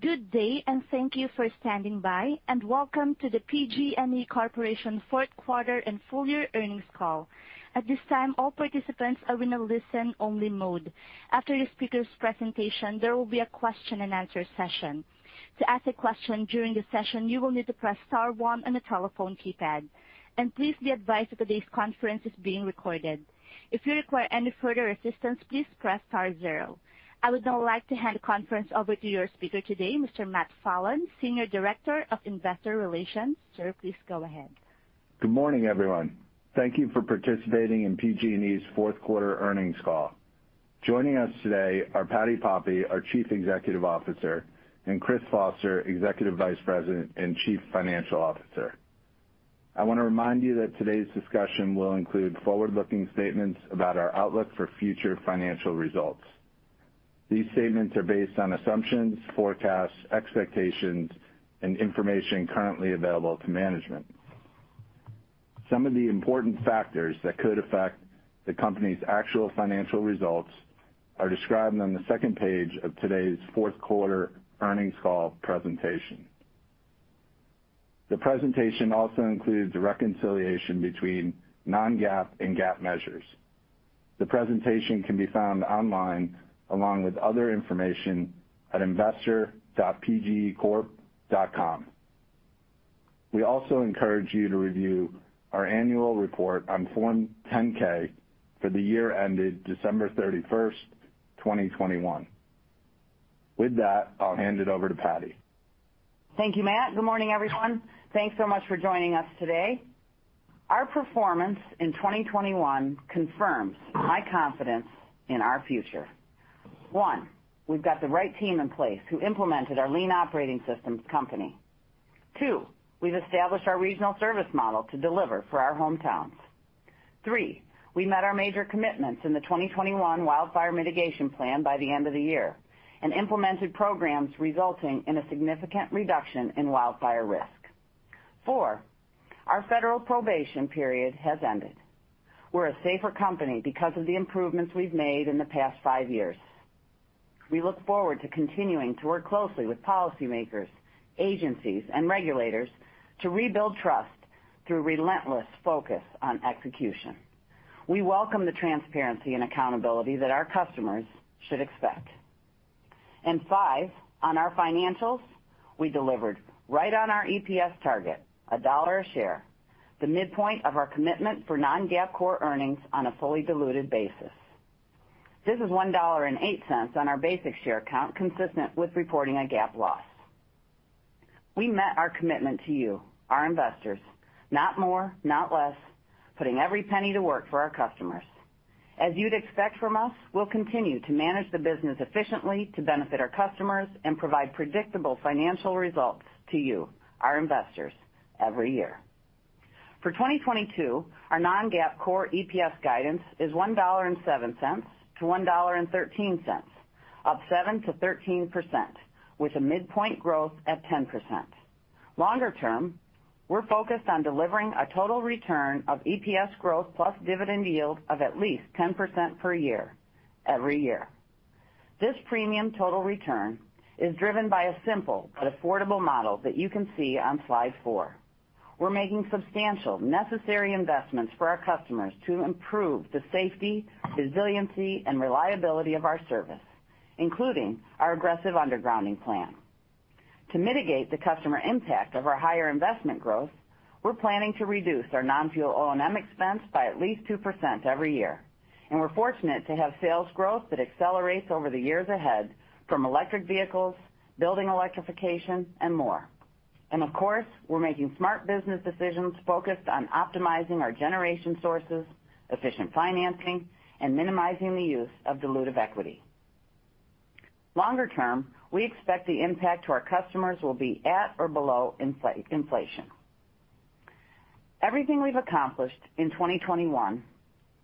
Good day, and thank you for standing by, and welcome to the PG&E Corporation fourth quarter and full-year earnings call. At this time, all participants are in a listen-only mode. After the speaker's presentation, there will be a question-and-answer session. To ask a question during the session, you will need to press star one on the telephone keypad. Please be advised that today's conference is being recorded. If you require any further assistance, please press star zero. I would now like to hand the conference over to your speaker today, Mr. Matt Fallon, Senior Director of Investor Relations. Sir, please go ahead. Good morning, everyone. Thank you for participating in PG&E's fourth quarter earnings call. Joining us today are Patti Poppe, our Chief Executive Officer, and Chris Foster, Executive Vice President and Chief Financial Officer. I wanna remind you that today's discussion will include forward-looking statements about our outlook for future financial results. These statements are based on assumptions, forecasts, expectations, and information currently available to management. Some of the important factors that could affect the company's actual financial results are described on the second page of today's fourth quarter earnings call presentation. The presentation also includes the reconciliation between non-GAAP and GAAP measures. The presentation can be found online along with other information at investor.pgecorp.com. We also encourage you to review our annual report on Form 10-K for the year ended December 31, 2021. With that, I'll hand it over to Patti. Thank you, Matt. Good morning, everyone. Thanks so much for joining us today. Our performance in 2021 confirms my confidence in our future. One, we've got the right team in place who implemented our lean operating systems company. Two, we've established our regional service model to deliver for our hometowns. Three, we met our major commitments in the 2021 Wildfire Mitigation Plan by the end of the year and implemented programs resulting in a significant reduction in wildfire risk. Four, our federal probation period has ended. We're a safer company because of the improvements we've made in the past five years. We look forward to continuing to work closely with policymakers, agencies, and regulators to rebuild trust through relentless focus on execution. We welcome the transparency and accountability that our customers should expect. Five, on our financials, we delivered right on our EPS target, $1 a share, the midpoint of our commitment for non-GAAP core earnings on a fully diluted basis. This is $1.08 on our basic share count, consistent with reporting a GAAP loss. We met our commitment to you, our investors, not more, not less, putting every penny to work for our customers. As you'd expect from us, we'll continue to manage the business efficiently to benefit our customers and provide predictable financial results to you, our investors, every year. For 2022, our non-GAAP core EPS guidance is $1.07-$1.13, up 7%-13% with a midpoint growth at 10%. Longer term, we're focused on delivering a total return of EPS growth plus dividend yield of at least 10% per year every year. This premium total return is driven by a simple but affordable model that you can see on slide four. We're making substantial necessary investments for our customers to improve the safety, resiliency, and reliability of our service, including our aggressive undergrounding plan. To mitigate the customer impact of our higher investment growth, we're planning to reduce our non-fuel O&M expense by at least 2% every year, and we're fortunate to have sales growth that accelerates over the years ahead from electric vehicles, building electrification, and more. Of course, we're making smart business decisions focused on optimizing our generation sources, efficient financing, and minimizing the use of dilutive equity. Longer term, we expect the impact to our customers will be at or below inflation. Everything we've accomplished in 2021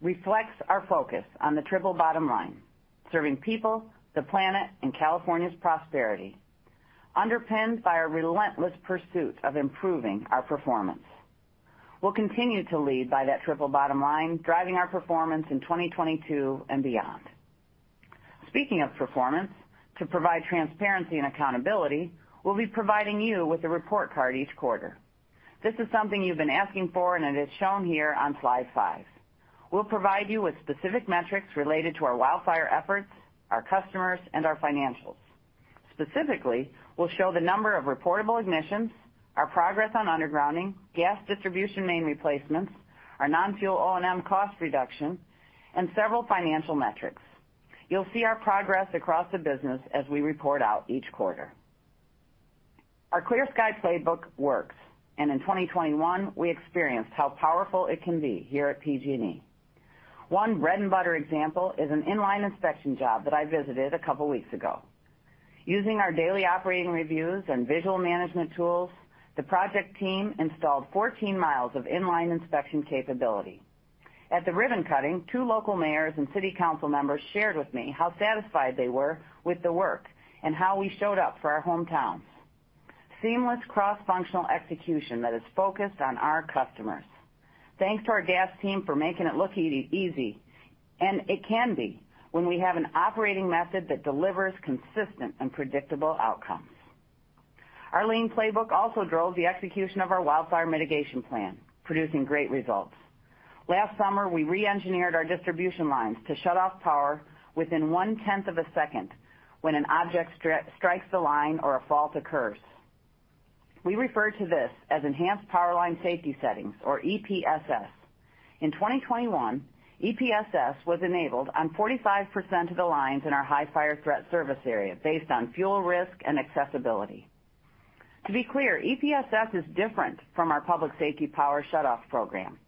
reflects our focus on the triple bottom line, serving people, the planet, and California's prosperity, underpinned by a relentless pursuit of improving our performance. We'll continue to lead by that triple bottom line, driving our performance in 2022 and beyond. Speaking of performance, to provide transparency and accountability, we'll be providing you with a report card each quarter. This is something you've been asking for, and it is shown here on slide five. We'll provide you with specific metrics related to our wildfire efforts, our customers, and our financials. Specifically, we'll show the number of reportable ignitions, our progress on undergrounding, gas distribution main replacements, our non-fuel O&M cost reduction, and several financial metrics. You'll see our progress across the business as we report out each quarter. Our Clear Sky playbook works, and in 2021, we experienced how powerful it can be here at PG&E. One bread-and-butter example is an in-line inspection job that I visited a couple weeks ago. Using our daily operating reviews and visual management tools, the project team installed 14 mi of in-line inspection capability. At the ribbon cutting, two local mayors and city council members shared with me how satisfied they were with the work and how we showed up for our hometowns. Seamless cross-functional execution that is focused on our customers. Thanks to our gas team for making it look easy. It can be when we have an operating method that delivers consistent and predictable outcomes. Our lean playbook also drove the execution of our Wildfire Mitigation Plan, producing great results. Last summer, we re-engineered our distribution lines to shut off power within one-tenth of a second when an object strikes the line or a fault occurs. We refer to this as enhanced power line safety settings or EPSS. In 2021, EPSS was enabled on 45% of the lines in our high fire threat service area based on fuel risk and accessibility. To be clear, EPSS is different from our public safety power shutoff program,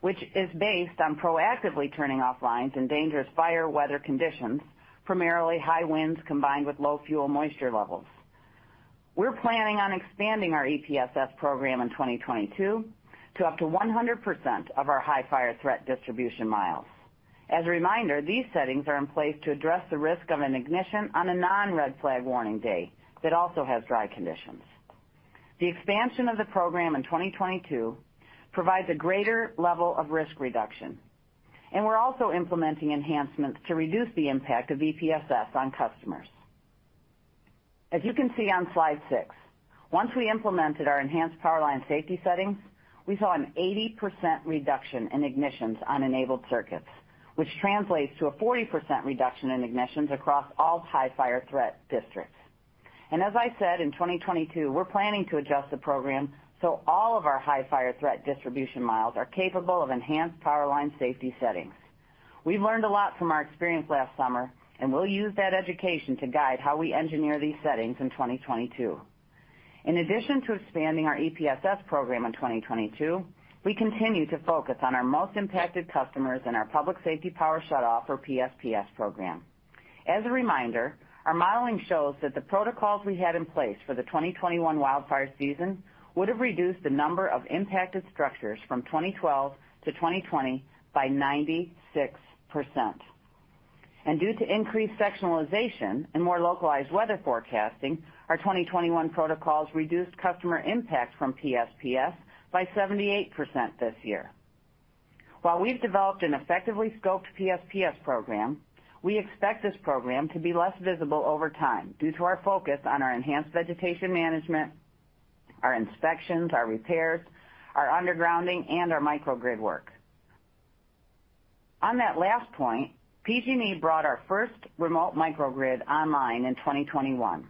which is based on proactively turning off lines in dangerous fire weather conditions, primarily high winds combined with low fuel moisture levels. We're planning on expanding our EPSS program in 2022 to up to 100% of our high fire threat distribution miles. As a reminder, these settings are in place to address the risk of an ignition on a non-red flag warning day that also has dry conditions. The expansion of the program in 2022 provides a greater level of risk reduction, and we're also implementing enhancements to reduce the impact of EPSS on customers. As you can see on slide six, once we implemented our enhanced power line safety settings, we saw an 80% reduction in ignitions on enabled circuits, which translates to a 40% reduction in ignitions across all high fire threat districts. As I said, in 2022, we're planning to adjust the program so all of our high fire threat distribution miles are capable of enhanced power line safety settings. We've learned a lot from our experience last summer, and we'll use that education to guide how we engineer these settings in 2022. In addition to expanding our EPSS program in 2022, we continue to focus on our most impacted customers in our public safety power shutoff or PSPS program. As a reminder, our modeling shows that the protocols we had in place for the 2021 wildfire season would have reduced the number of impacted structures from 2012 to 2020 by 96%. Due to increased sectionalization and more localized weather forecasting, our 2021 protocols reduced customer impact from PSPS by 78% this year. While we've developed an effectively scoped PSPS program, we expect this program to be less visible over time due to our focus on our enhanced vegetation management, our inspections, our repairs, our undergrounding, and our microgrid work. On that last point, PG&E brought our first remote microgrid online in 2021.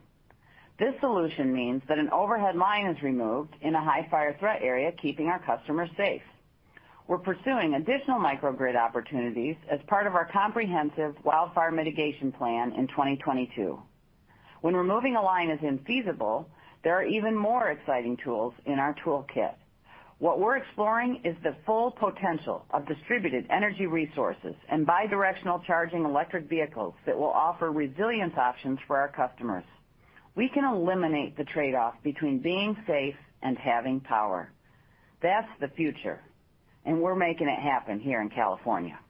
This solution means that an overhead line is removed in a high fire threat area, keeping our customers safe. We're pursuing additional microgrid opportunities as part of our comprehensive Wildfire Mitigation Plan in 2022. When removing a line is infeasible, there are even more exciting tools in our toolkit. What we're exploring is the full potential of distributed energy resources and bi-directional charging electric vehicles that will offer resilience options for our customers. We can eliminate the trade-off between being safe and having power. That's the future, and we're making it happen here in California.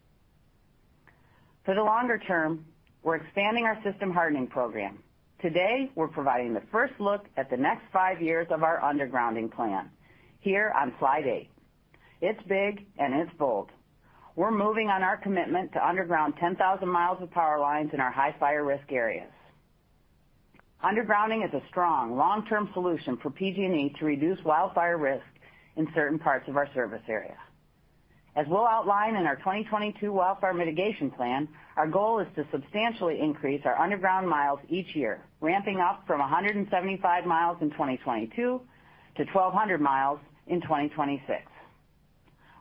For the longer term, we're expanding our system hardening program. Today, we're providing the first look at the next 5 years of our undergrounding plan here on slide eight. It's big and it's bold. We're moving on our commitment to underground 10,000 mi of power lines in our high fire risk areas. Undergrounding is a strong long-term solution for PG&E to reduce wildfire risk in certain parts of our service area. As we'll outline in our 2022 Wildfire Mitigation Plan, our goal is to substantially increase our underground miles each year, ramping up from 175 mi in 2022 to 1,200 mi in 2026.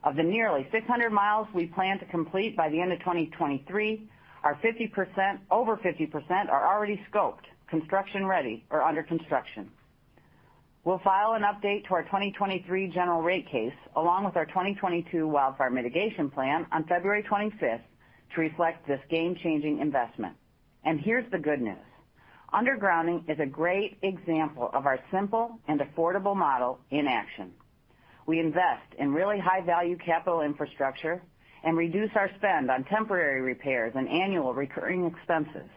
Of the nearly 600 mi we plan to complete by the end of 2023, over 50% are already scoped, construction-ready, or under construction. We'll file an update to our 2023 General Rate Case along with our 2022 Wildfire Mitigation Plan on February 25th to reflect this game-changing investment. Here's the good news. Undergrounding is a great example of our simple and affordable model in action. We invest in really high-value capital infrastructure and reduce our spend on temporary repairs and annual recurring expenses.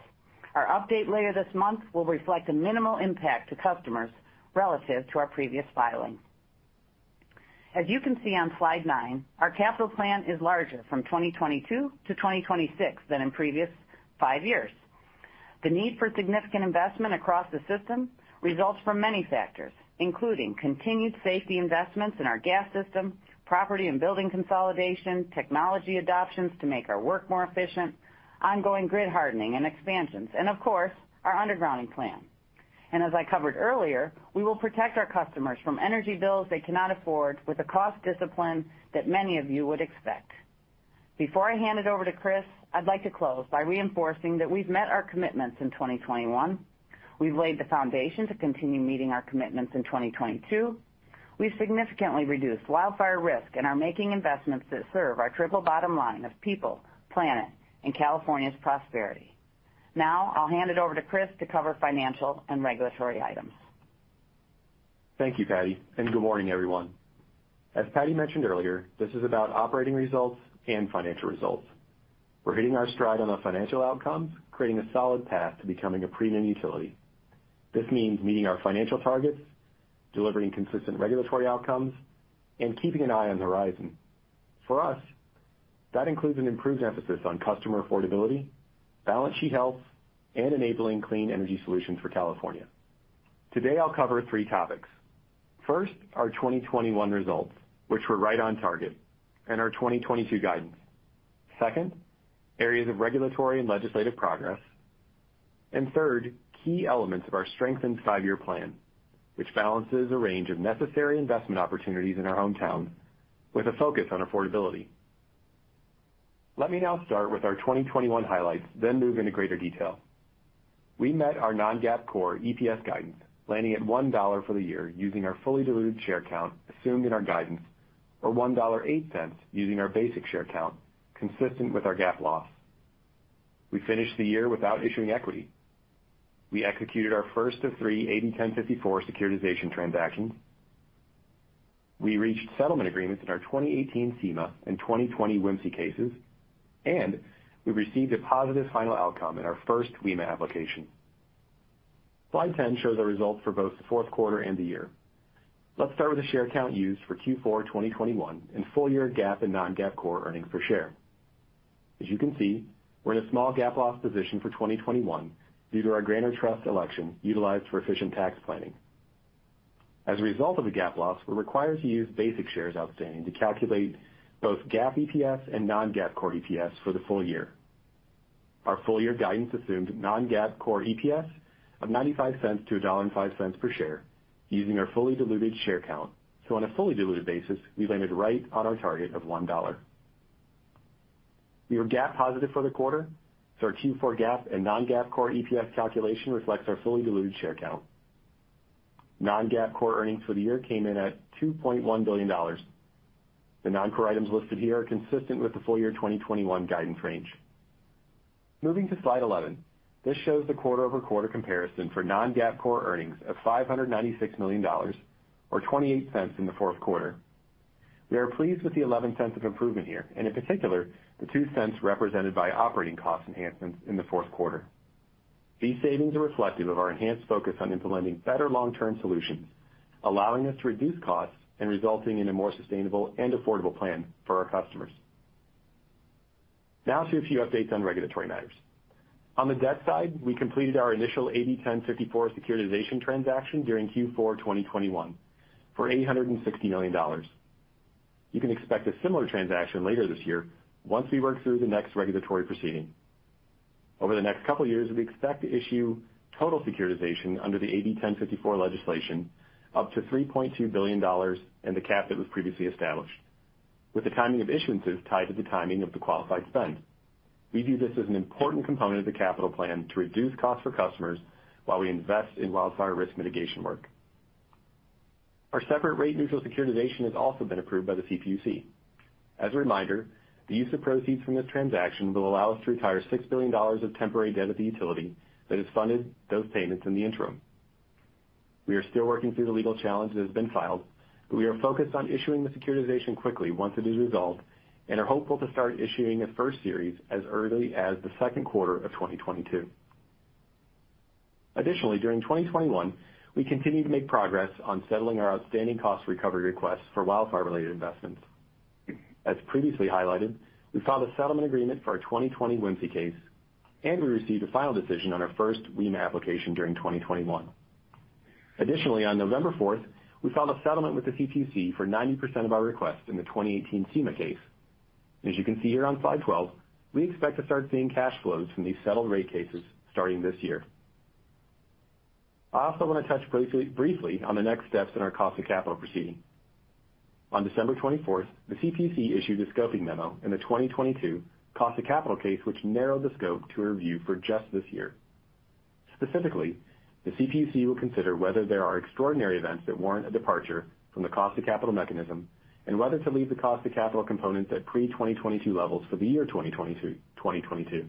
Our update later this month will reflect a minimal impact to customers relative to our previous filing. As you can see on slide nine, our capital plan is larger from 2022 to 2026 than in previous five years. The need for significant investment across the system results from many factors, including continued safety investments in our gas system, property and building consolidation, technology adoptions to make our work more efficient, ongoing grid hardening and expansions, and of course, our undergrounding plan. As I covered earlier, we will protect our customers from energy bills they cannot afford with the cost discipline that many of you would expect. Before I hand it over to Chris, I'd like to close by reinforcing that we've met our commitments in 2021. We've laid the foundation to continue meeting our commitments in 2022. We've significantly reduced wildfire risk and are making investments that serve our triple bottom line of people, planet, and California's prosperity. Now, I'll hand it over to Chris to cover financial and regulatory items. Thank you, Patti, and good morning, everyone. As Patti mentioned earlier, this is about operating results and financial results. We're hitting our stride on the financial outcomes, creating a solid path to becoming a premium utility. This means meeting our financial targets, delivering consistent regulatory outcomes, and keeping an eye on the horizon. For us, that includes an improved emphasis on customer affordability, balance sheet health, and enabling clean energy solutions for California. Today, I'll cover three topics. First, our 2021 results, which were right on target, and our 2022 guidance. Second, areas of regulatory and legislative progress. Third, key elements of our strengthened five-year plan, which balances a range of necessary investment opportunities in our hometown with a focus on affordability. Let me now start with our 2021 highlights, then move into greater detail. We met our non-GAAP core EPS guidance, landing at $1 for the year using our fully diluted share count assumed in our guidance, or $1.08 using our basic share count, consistent with our GAAP loss. We finished the year without issuing equity. We executed our first of three AB 1054 securitization transactions. We reached settlement agreements in our 2018 CEMA and 2020 WMCE cases, and we received a positive final outcome in our first WEMA application. Slide 10 shows our results for both the fourth quarter and the year. Let's start with the share count used for Q4 2021 and full year GAAP and non-GAAP core earnings per share. As you can see, we're in a small GAAP loss position for 2021 due to our grantor trust election utilized for efficient tax planning. As a result of a GAAP loss, we're required to use basic shares outstanding to calculate both GAAP EPS and non-GAAP core EPS for the full year. Our full year guidance assumed non-GAAP core EPS of $0.95-$1.05 per share using our fully diluted share count. On a fully diluted basis, we landed right on our target of $1. We were GAAP positive for the quarter, so our Q4 GAAP and non-GAAP core EPS calculation reflects our fully diluted share count. Non-GAAP core earnings for the year came in at $2.1 billion. The non-core items listed here are consistent with the full year 2021 guidance range. Moving to slide 11, this shows the quarter-over-quarter comparison for non-GAAP core earnings of $596 million or $0.28 in the fourth quarter. We are pleased with the $0.11 of improvement here, and in particular, the $0.02 represented by operating cost enhancements in the fourth quarter. These savings are reflective of our enhanced focus on implementing better long-term solutions, allowing us to reduce costs and resulting in a more sustainable and affordable plan for our customers. Now to a few updates on regulatory matters. On the debt side, we completed our initial AB 1054 securitization transaction during Q4 2021 for $860 million. You can expect a similar transaction later this year once we work through the next regulatory proceeding. Over the next couple years, we expect to issue total securitization under the AB 1054 legislation up to $3.2 billion and the cap that was previously established with the timing of issuances tied to the timing of the qualified spend. We view this as an important component of the capital plan to reduce costs for customers while we invest in wildfire risk mitigation work. Our separate rate neutral securitization has also been approved by the CPUC. As a reminder, the use of proceeds from this transaction will allow us to retire $6 billion of temporary debt at the utility that has funded those payments in the interim. We are still working through the legal challenge that has been filed, but we are focused on issuing the securitization quickly once it is resolved and are hopeful to start issuing a first series as early as the second quarter of 2022. Additionally, during 2021, we continued to make progress on settling our outstanding cost recovery requests for wildfire-related investments. As previously highlighted, we filed a settlement agreement for our 2020 WMCE case, and we received a final decision on our first WEMA application during 2021. Additionally, on November 4th, we filed a settlement with the CPUC for 90% of our request in the 2018 CEMA case. As you can see here on slide 12, we expect to start seeing cash flows from these settled rate cases starting this year. I also wanna touch briefly on the next steps in our cost of capital proceeding. On December 24th, the CPUC issued a scoping memo in the 2022 cost of capital case which narrowed the scope to a review for just this year. Specifically, the CPUC will consider whether there are extraordinary events that warrant a departure from the cost of capital mechanism and whether to leave the cost of capital components at pre-2022 levels for the year 2022.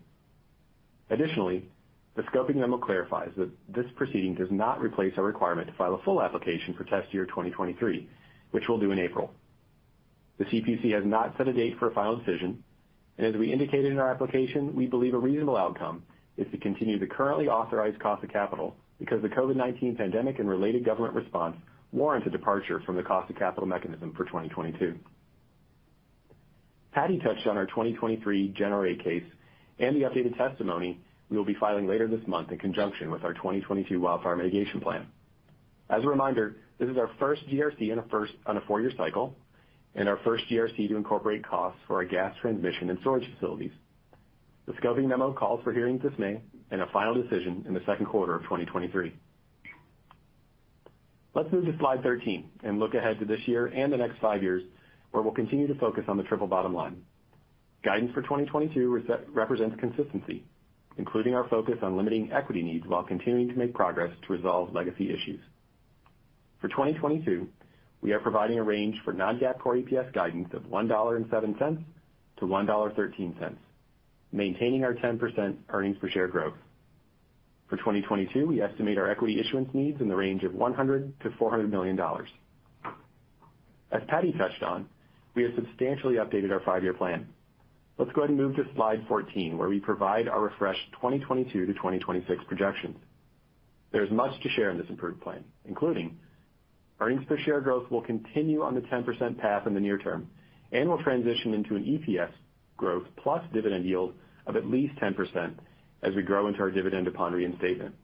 Additionally, the scoping memo clarifies that this proceeding does not replace our requirement to file a full application for test year 2023, which we'll do in April. The CPUC has not set a date for a final decision, and as we indicated in our application, we believe a reasonable outcome is to continue the currently authorized cost of capital because the COVID-19 pandemic and related government response warrants a departure from the cost of capital mechanism for 2022. Patti touched on our 2023 General Rate Case and the updated testimony we will be filing later this month in conjunction with our 2022 Wildfire Mitigation Plan. As a reminder, this is our first GRC on a four-year cycle and our first GRC to incorporate costs for our gas transmission and storage facilities. The scoping memo calls for hearings this May and a final decision in the second quarter of 2023. Let's move to slide 13 and look ahead to this year and the next five years, where we'll continue to focus on the triple bottom line. Guidance for 2022 represents consistency, including our focus on limiting equity needs while continuing to make progress to resolve legacy issues. For 2022, we are providing a range for non-GAAP core EPS guidance of $1.07-$1.13, maintaining our 10% earnings per share growth. For 2022, we estimate our equity issuance needs in the range of $100 million-$400 million. As Patti touched on, we have substantially updated our five-year plan. Let's go ahead and move to slide 14, where we provide our refreshed 2022-2026 projections. There's much to share in this improved plan, including earnings per share growth will continue on the 10% path in the near term and will transition into an EPS growth plus dividend yield of at least 10% as we grow into our dividend to $2 reinstatement.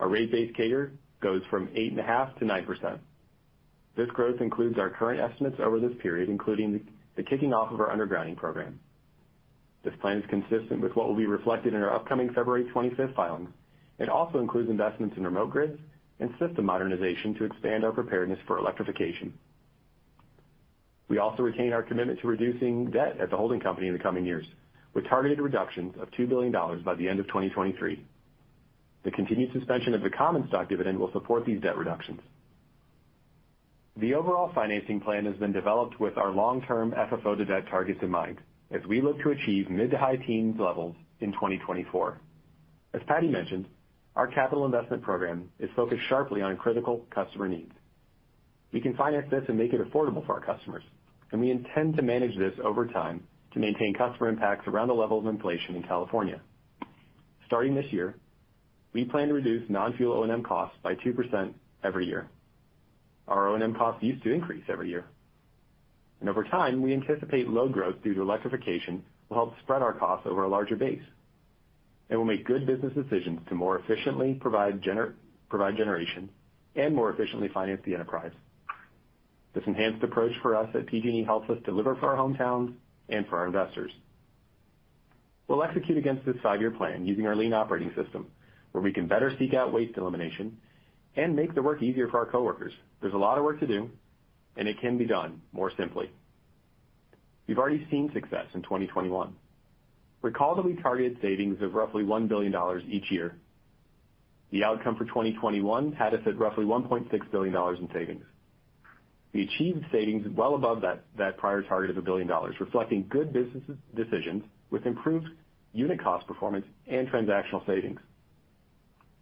Our rate base CAGR goes from 8.5%-9%. This growth includes our current estimates over this period, including the kicking off of our undergrounding program. This plan is consistent with what will be reflected in our upcoming February 25th filing. It also includes investments in remote grids and system modernization to expand our preparedness for electrification. We also retain our commitment to reducing debt at the holding company in the coming years, with targeted reductions of $2 billion by the end of 2023. The continued suspension of the common stock dividend will support these debt reductions. The overall financing plan has been developed with our long-term FFO to debt targets in mind as we look to achieve mid- to high-teens levels in 2024. As Patti mentioned, our capital investment program is focused sharply on critical customer needs. We can finance this and make it affordable for our customers, and we intend to manage this over time to maintain customer impacts around the level of inflation in California. Starting this year, we plan to reduce non-fuel O&M costs by 2% every year. Our O&M costs used to increase every year. Over time, we anticipate low growth due to electrification will help spread our costs over a larger base. We'll make good business decisions to more efficiently provide generation and more efficiently finance the enterprise. This enhanced approach for us at PG&E helps us deliver for our hometowns and for our investors. We'll execute against this five-year plan using our lean operating system, where we can better seek out waste elimination and make the work easier for our coworkers. There's a lot of work to do, and it can be done more simply. We've already seen success in 2021. Recall that we targeted savings of roughly $1 billion each year. The outcome for 2021 had us at roughly $1.6 billion in savings. We achieved savings well above that prior target of $1 billion, reflecting good business decisions with improved unit cost performance and transactional savings.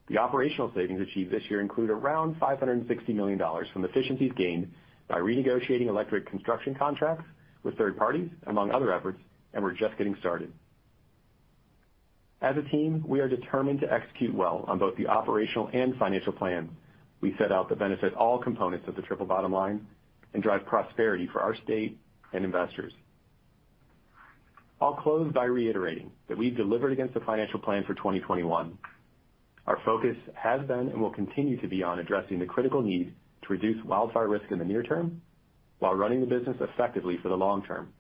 The operational savings achieved this year include around $560 million from efficiencies gained by renegotiating electric construction contracts with third parties, among other efforts, and we're just getting started. As a team, we are determined to execute well on both the operational and financial plan we set out to benefit all components of the triple bottom line and drive prosperity for our state and investors. I'll close by reiterating that we've delivered against the financial plan for 2021. Our focus has been and will continue to be on addressing the critical need to reduce wildfire risk in the near term while running the business effectively for the long term.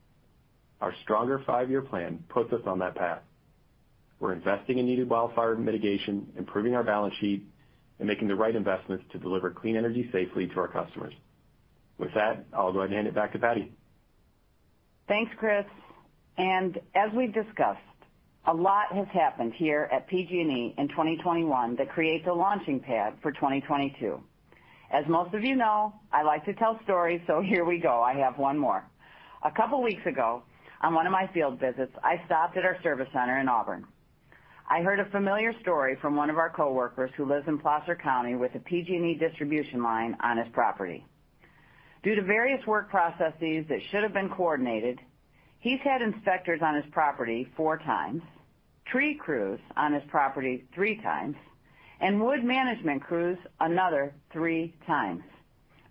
Our stronger five-year plan puts us on that path. We're investing in needed wildfire mitigation, improving our balance sheet, and making the right investments to deliver clean energy safely to our customers. With that, I'll go ahead and hand it back to Patti. Thanks, Chris. As we've discussed, a lot has happened here at PG&E in 2021 that creates a launching pad for 2022. As most of you know, I like to tell stories, so here we go. I have one more. A couple weeks ago, on one of my field visits, I stopped at our service center in Auburn. I heard a familiar story from one of our coworkers who lives in Placer County with a PG&E distribution line on his property. Due to various work processes that should have been coordinated, he's had inspectors on his property four times, tree crews on his property three times, and wood management crews another three times.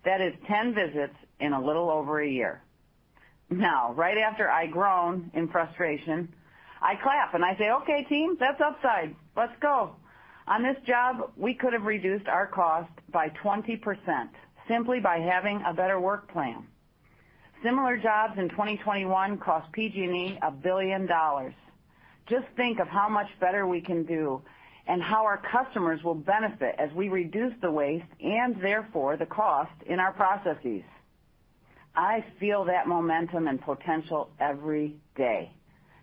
That is 10 visits in a little over a year. Now, right after I groan in frustration, I clap and I say, "Okay, team, that's upside. Let's go." On this job, we could have reduced our cost by 20% simply by having a better work plan. Similar jobs in 2021 cost PG&E $1 billion. Just think of how much better we can do and how our customers will benefit as we reduce the waste and therefore the cost in our processes. I feel that momentum and potential every day.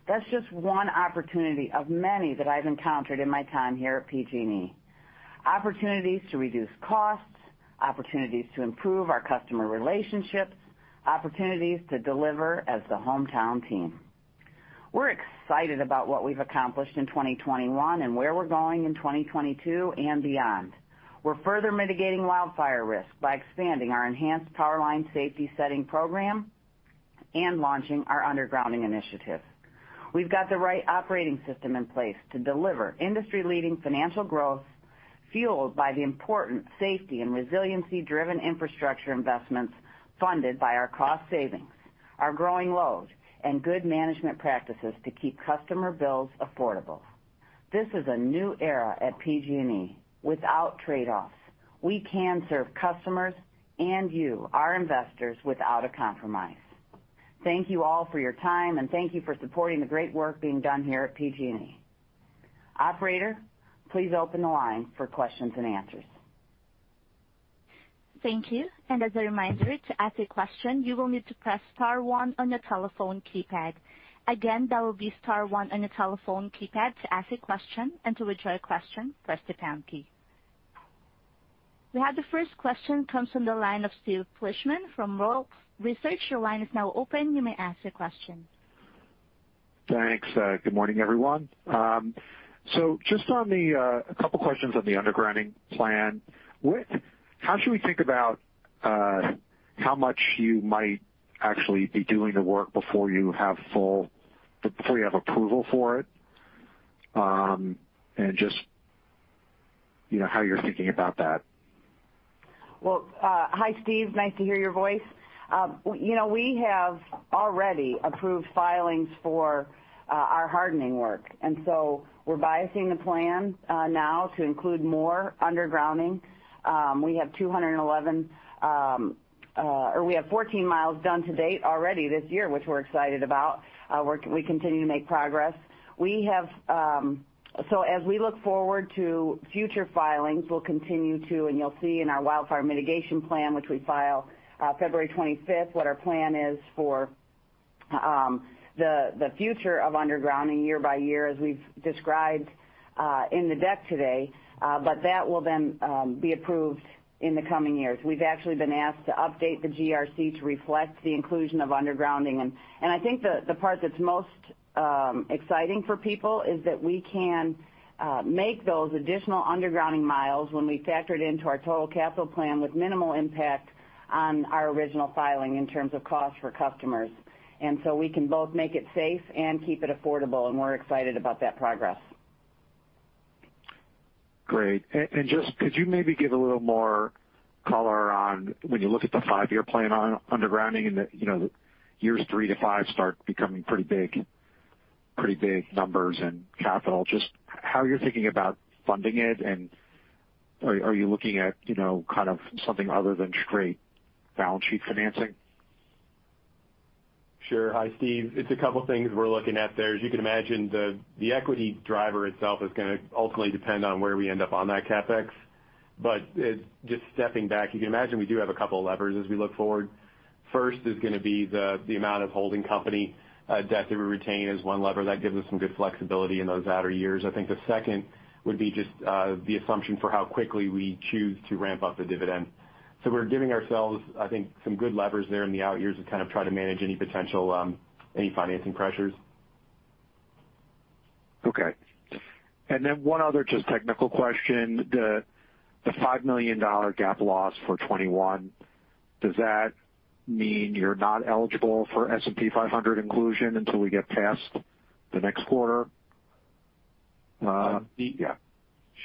That's just one opportunity of many that I've encountered in my time here at PG&E. Opportunities to reduce costs, opportunities to improve our customer relationships, opportunities to deliver as the hometown team. We're excited about what we've accomplished in 2021 and where we're going in 2022 and beyond. We're further mitigating wildfire risk by expanding our enhanced power line safety setting program and launching our undergrounding initiative. We've got the right operating system in place to deliver industry-leading financial growth fueled by the important safety and resiliency-driven infrastructure investments funded by our cost savings, our growing loads, and good management practices to keep customer bills affordable. This is a new era at PG&E without trade-offs. We can serve customers and you, our investors, without a compromise. Thank you all for your time, and thank you for supporting the great work being done here at PG&E. Operator, please open the line for questions and answers. Thank you. As a reminder, to ask a question, you will need to press star one on your telephone keypad. Again, that will be star one on your telephone keypad to ask a question. To withdraw your question, press the pound key. We have the first question comes from the line of Steve Fleishman from Wolfe Research. Your line is now open. You may ask your question. Thanks. Good morning, everyone. Just a couple questions on the undergrounding plan. How should we think about how much you might actually be doing the work before you have approval for it? Just, you know, how you're thinking about that. Well, hi, Steve. Nice to hear your voice. You know, we have already approved filings for our hardening work, and so we're biasing the plan now to include more undergrounding. We have 211 or 14 mi done to date already this year, which we're excited about. We continue to make progress. As we look forward to future filings, we'll continue to, and you'll see in our Wildfire Mitigation Plan, which we file February 25th, what our plan is for the future of undergrounding year by year, as we've described in the deck today. That will then be approved in the coming years. We've actually been asked to update the GRC to reflect the inclusion of undergrounding. I think the part that's most exciting for people is that we can make those additional undergrounding miles when we factor it into our total capital plan with minimal impact on our original filing in terms of cost for customers. We can both make it safe and keep it affordable, and we're excited about that progress. Great. Just could you maybe give a little more color on when you look at the five-year plan on undergrounding and the, you know, years three to five start becoming pretty big numbers in capital, just how you're thinking about funding it, and are you looking at, you know, kind of something other than straight balance sheet financing? Sure. Hi, Steve. It's a couple things we're looking at there. As you can imagine, the equity driver itself is gonna ultimately depend on where we end up on that CapEx. Just stepping back, you can imagine we do have a couple levers as we look forward. First is gonna be the amount of holding company debt that we retain as one lever. That gives us some good flexibility in those outer years. I think the second would be just the assumption for how quickly we choose to ramp up the dividend. We're giving ourselves, I think, some good levers there in the out years to kind of try to manage any potential financing pressures. Okay. One other just technical question. The $5 million GAAP loss for 2021, does that mean you're not eligible for S&P 500 inclusion until we get past the next quarter? Yeah.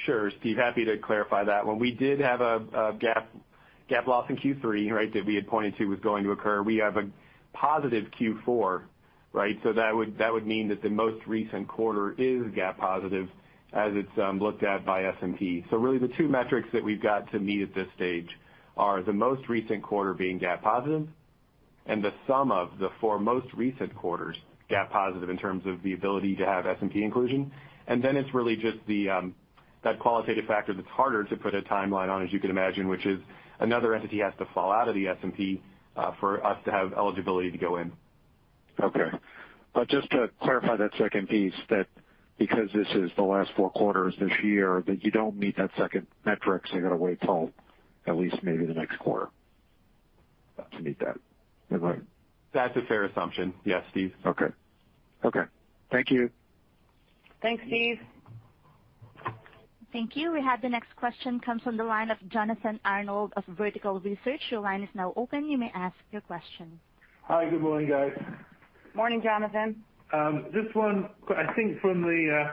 Sure, Steve. Happy to clarify that. When we did have a GAAP loss in Q3, right? That we had pointed to was going to occur. We have a positive Q4, right? That would mean that the most recent quarter is GAAP positive as it's looked at by S&P. Really the two metrics that we've got to meet at this stage are the most recent quarter being GAAP positive and the sum of the four most recent quarters GAAP positive in terms of the ability to have S&P inclusion. Then it's really just the qualitative factor that's harder to put a timeline on, as you can imagine, which is another entity has to fall out of the S&P for us to have eligibility to go in. Okay. Just to clarify that second piece, that because this is the last four quarters this year, that you don't meet that second metric, so you gotta wait till at least maybe the next quarter, to meet that. Is that right? That's a fair assumption. Yes, Steve. Okay. Okay. Thank you. Thanks, Steve. Thank you. We have the next question comes from the line of Jonathan Arnold of Vertical Research Partners. Your line is now open. You may ask your question. Hi. Good morning, guys. Morning, Jonathan. Just one. I think from the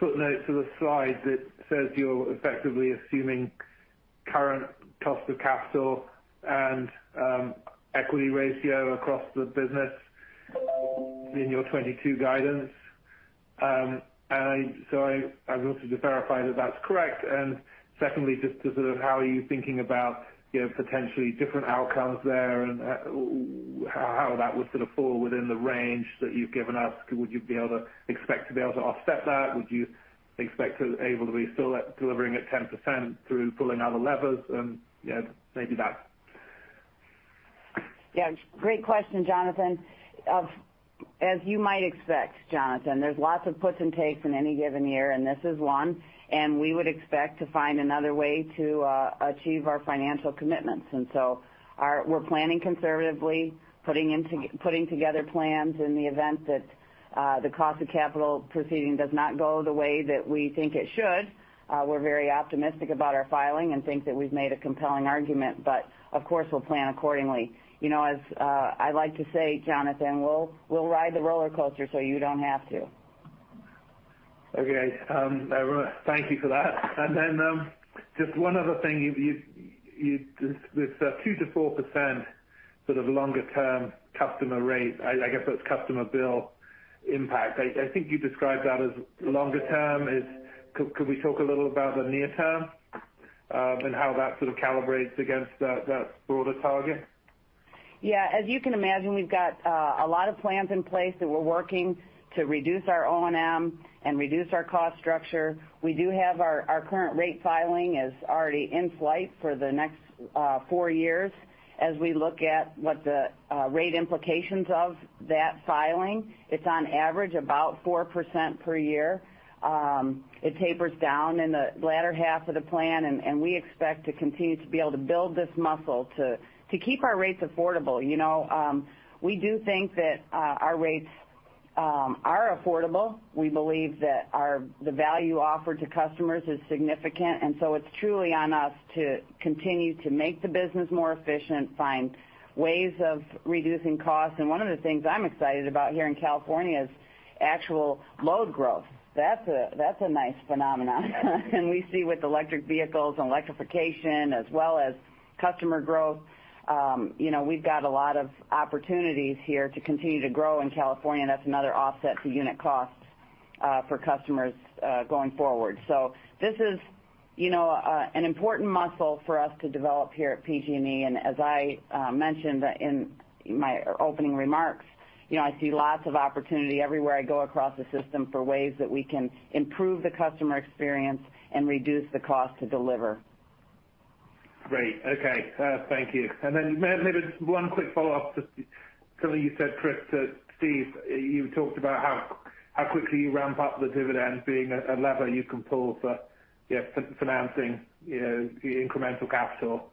footnote to the slide that says you're effectively assuming current cost of capital and equity ratio across the business in your 2022 guidance. So I wanted to verify that that's correct. Secondly, just to sort of how are you thinking about, you know, potentially different outcomes there and how that would sort of fall within the range that you've given us. Would you be able to expect to be able to offset that? Would you expect to be able to still deliver at 10% through pulling other levers? You know, maybe that's. Yeah. Great question, Jonathan. As you might expect, Jonathan, there's lots of puts and takes in any given year, and this is one, and we would expect to find another way to achieve our financial commitments. We're planning conservatively, putting together plans in the event that the cost of capital proceeding does not go the way that we think it should. We're very optimistic about our filing and think that we've made a compelling argument, but of course, we'll plan accordingly. You know, as I like to say, Jonathan, we'll ride the roller coaster, so you don't have to. Okay. Thank you for that. Just one other thing. This 2%-4% sort of longer term customer rate, I guess that's customer bill impact. I think you described that as longer term. Could we talk a little about the near term, and how that sort of calibrates against that broader target? Yeah. As you can imagine, we've got a lot of plans in place that we're working to reduce our O&M and reduce our cost structure. We do have our current rate filing already in flight for the next four years as we look at what the rate implications of that filing. It's on average about 4% per year. It tapers down in the latter half of the plan, and we expect to continue to be able to build this muscle to keep our rates affordable. You know, we do think that our rates are affordable. We believe that the value offered to customers is significant, and so it's truly on us to continue to make the business more efficient, find ways of reducing costs. One of the things I'm excited about here in California is actual load growth. That's a nice phenomenon. We see with electric vehicles and electrification as well as customer growth, you know, we've got a lot of opportunities here to continue to grow in California, and that's another offset to unit costs, for customers, going forward. This is, you know, an important muscle for us to develop here at PG&E. As I mentioned in my opening remarks, you know, I see lots of opportunity everywhere I go across the system for ways that we can improve the customer experience and reduce the cost to deliver. Great. Okay. Thank you. Maybe just one quick follow-up to something you said, Chris, to Steve. You talked about how quickly you ramp up the dividend being a lever you can pull for, yeah, financing, you know, the incremental capital.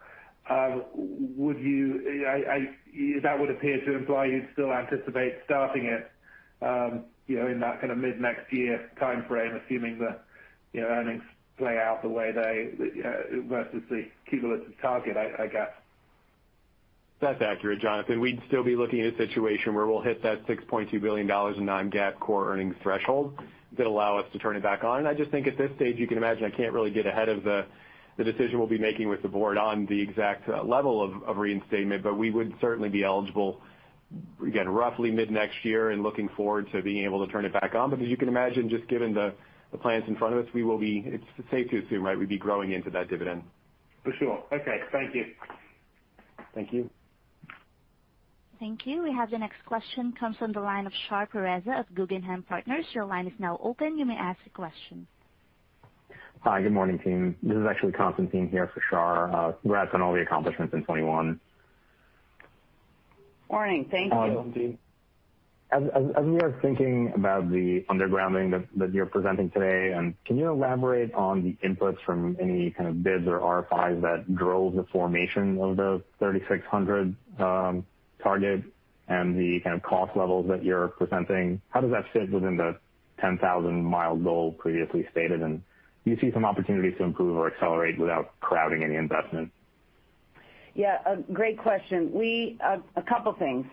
Would you... I, that would appear to imply you'd still anticipate starting it, you know, in that kind of mid-next year timeframe, assuming the, you know, earnings play out the way they versus the cumulative target, I guess. That's accurate, Jonathan. We'd still be looking at a situation where we'll hit that $6.2 billion in non-GAAP core earnings threshold that allow us to turn it back on. I just think at this stage, you can imagine I can't really get ahead of the decision we'll be making with the board on the exact level of reinstatement. We would certainly be eligible, again, roughly mid-next year and looking forward to being able to turn it back on. As you can imagine, just given the plans in front of us, we will be. It's safe to assume, right, we'd be growing into that dividend. For sure. Okay. Thank you. Thank you. Thank you. We have the next question comes from the line of Shar Pourreza of Guggenheim Partners. Your line is now open. You may ask a question. Hi. Good morning, team. This is actually Constantine here for Shar. Congrats on all the accomplishments in 2021. Morning. Thank you. Morning, Constantine. As we are thinking about the undergrounding that you're presenting today, and can you elaborate on the inputs from any kind of bids or RFIs that drove the formation of the 3,600 target and the kind of cost levels that you're presenting? How does that fit within the 10,000 mi goal previously stated? And do you see some opportunities to improve or accelerate without crowding any investment? Yeah, a great question. We have a couple things.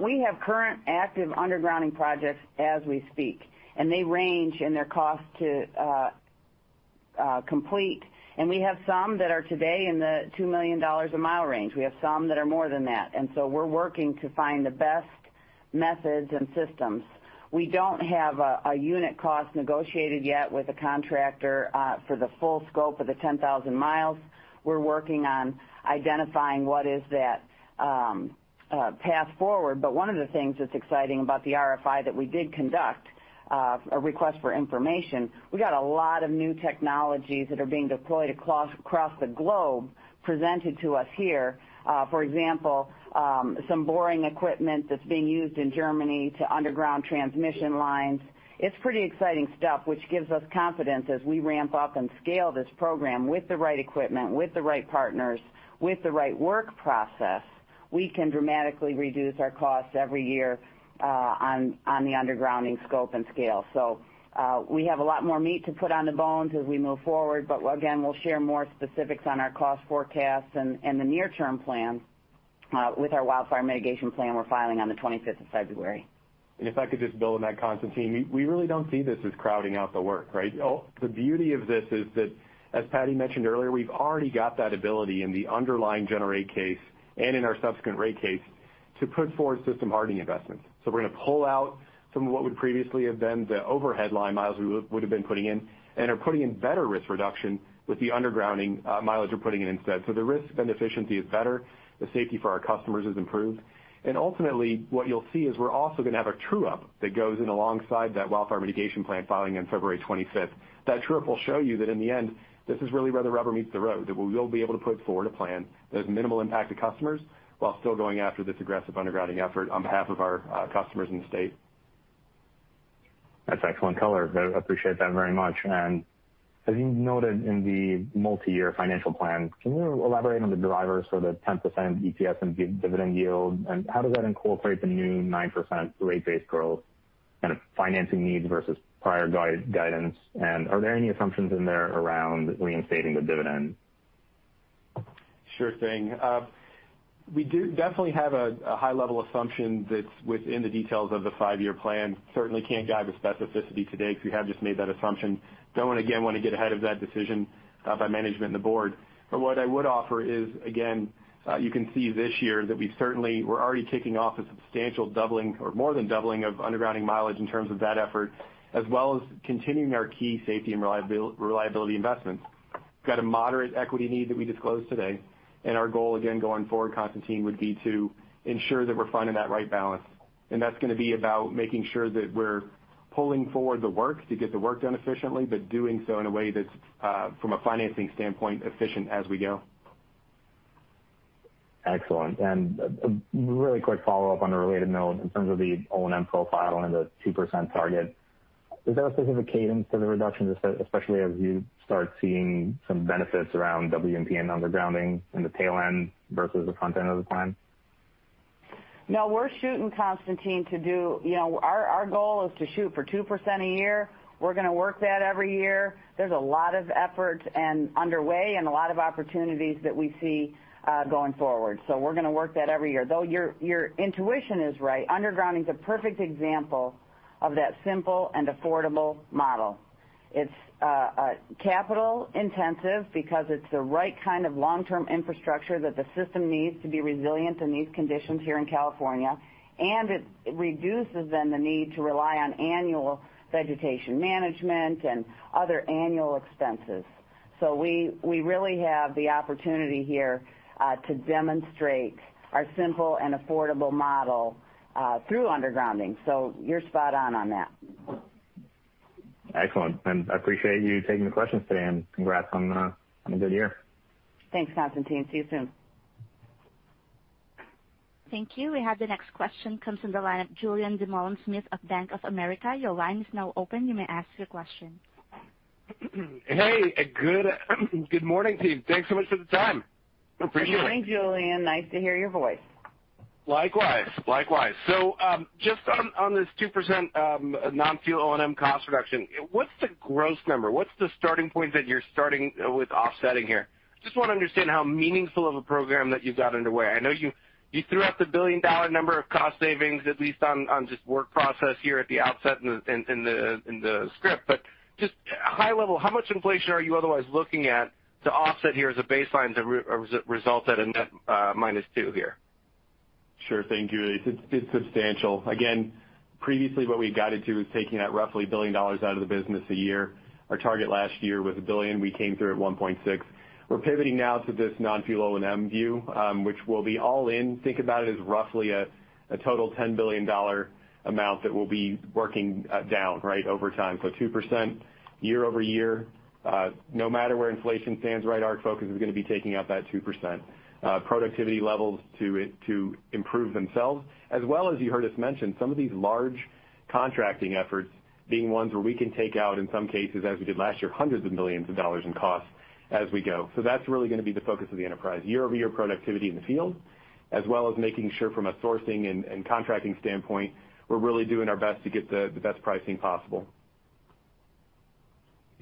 We have current active undergrounding projects as we speak, and they range in their cost to complete. We have some that are today in the $2 million a mile range. We have some that are more than that. We're working to find the best methods and systems. We don't have a unit cost negotiated yet with a contractor for the full scope of the 10,000 mi. We're working on identifying what is that path forward. One of the things that's exciting about the RFI that we did conduct, a request for information, we got a lot of new technologies that are being deployed across the globe presented to us here. For example, some boring equipment that's being used in Germany to underground transmission lines. It's pretty exciting stuff, which gives us confidence as we ramp up and scale this program with the right equipment, with the right partners, with the right work process. We can dramatically reduce our costs every year on the undergrounding scope and scale. We have a lot more meat to put on the bones as we move forward, but again, we'll share more specifics on our cost forecasts and the near-term plans with our Wildfire Mitigation Plan we're filing on the 25th of February. If I could just build on that, Constantine, we really don't see this as crowding out the work, right? The beauty of this is that, as Patti mentioned earlier, we've already got that ability in the underlying General Rate Case and in our subsequent rate case to put forward system hardening investments. We're gonna pull out some of what would previously have been the overhead line miles we would have been putting in and are putting in better risk reduction with the undergrounding mileage we're putting in instead. The risk and efficiency is better, the safety for our customers is improved. Ultimately, what you'll see is we're also gonna have a true up that goes in alongside that Wildfire Mitigation Plan filing on February 25th. That true up will show you that in the end, this is really where the rubber meets the road, that we will be able to put forward a plan that has minimal impact to customers while still going after this aggressive undergrounding effort on behalf of our customers in the state. That's excellent color. I appreciate that very much. As you noted in the multiyear financial plan, can you elaborate on the drivers for the 10% EPS and dividend yield? How does that incorporate the new 9% rate-based growth kind of financing needs versus prior guidance? Are there any assumptions in there around reinstating the dividend? Sure thing. We do definitely have a high-level assumption that's within the details of the five-year plan. Certainly can't guide the specificity today because we have just made that assumption. Don't again want to get ahead of that decision by management and the board. What I would offer is, again, you can see this year that we certainly were already kicking off a substantial doubling or more than doubling of undergrounding mileage in terms of that effort, as well as continuing our key safety and reliability investments. Got a moderate equity need that we disclosed today, and our goal again, going forward, Constantine, would be to ensure that we're finding that right balance, and that's gonna be about making sure that we're pulling forward the work to get the work done efficiently, but doing so in a way that's from a financing standpoint, efficient as we go. Excellent. A really quick follow-up on a related note in terms of the O&M profile and the 2% target. Is there a specific cadence to the reductions, especially as you start seeing some benefits around WMP and undergrounding in the tail end versus the front end of the plan? No, we're shooting, Constantine. You know, our goal is to shoot for 2% a year. We're gonna work that every year. There's a lot of effort underway and a lot of opportunities that we see going forward. We're gonna work that every year. Though your intuition is right, undergrounding is a perfect example of that simple and affordable model. It's capital-intensive because it's the right kind of long-term infrastructure that the system needs to be resilient in these conditions here in California, and it reduces then the need to rely on annual vegetation management and other annual expenses. We really have the opportunity here to demonstrate our simple and affordable model through undergrounding. You're spot on that. Excellent. I appreciate you taking the questions today, and congrats on a good year. Thanks, Constantine. See you soon. Thank you. We have the next question comes from the line of Julien Dumoulin-Smith of Bank of America. Your line is now open. You may ask your question. Hey, a good morning to you. Thanks so much for the time. Appreciate it. Morning, Julien. Nice to hear your voice. Likewise. Just on this 2% non-fuel O&M cost reduction, what's the gross number? What's the starting point that you're starting with offsetting here? Just wanna understand how meaningful of a program that you've got underway. I know you threw out the $1 billion number of cost savings, at least on just work process here at the outset in the script. But just high level, how much inflation are you otherwise looking at to offset here as a baseline to result at a net -2% here? Sure. Thank you. It's substantial. Again, previously, what we guided to was taking out roughly $1 billion out of the business a year. Our target last year was $1 billion. We came through at $1.6 billion. We're pivoting now to this non-fuel O&M view, which will be all in. Think about it as roughly a total $10 billion amount that we'll be working down, right, over time. 2% year-over-year, no matter where inflation stands, right, our focus is gonna be taking out that 2%, productivity levels to improve themselves. As well as you heard us mention, some of these large contracting efforts being ones where we can take out, in some cases, as we did last year, hundreds of millions of dollars in costs as we go. That's really gonna be the focus of the enterprise, year-over-year productivity in the field, as well as making sure from a sourcing and contracting standpoint, we're really doing our best to get the best pricing possible.